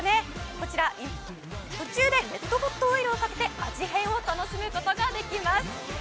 こちら、途中でレッドホットオイルをかけて味変を楽しむことができます。